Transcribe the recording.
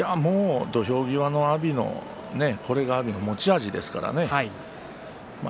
土俵際の阿炎もこれは阿炎の持ち味ですからね。